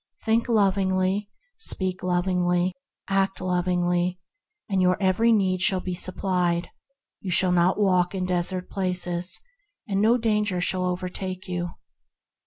Think lovingly, speak lovingly, act lovingly, and every need shall be supplied; you shall not walk in desert places, and no danger shall over take you.